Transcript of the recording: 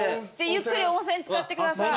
ゆっくり温泉漬かってください。